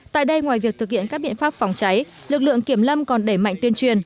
tại đây ngoài việc thực hiện các biện pháp phòng cháy lực lượng kiểm lâm còn đẩy mạnh tuyên truyền